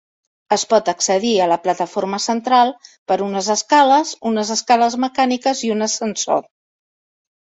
Es pot accedir a la plataforma central per unes escales, unes escales mecàniques i un ascensor.